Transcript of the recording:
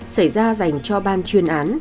xảy ra dành cho ban chuyên án